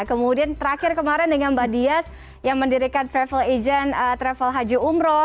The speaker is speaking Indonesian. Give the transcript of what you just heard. kemudian terakhir kemarin dengan mbak dias yang mendirikan travel agent travel haji umroh